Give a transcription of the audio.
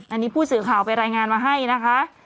อันนี้ผู้สื่อข่าวไปรายงานมาให้นะคะ